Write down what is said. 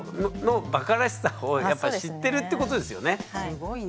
すごいな。